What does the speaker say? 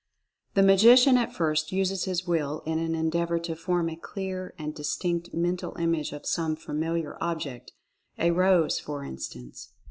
The Magician at first uses his Will in an endeavor to form a clear and distinct mental image of some familiar object, a rose, for instance.